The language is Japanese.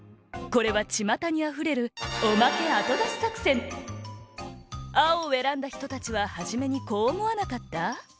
これはちまたにあふれるあおをえらんだひとたちははじめにこうおもわなかった？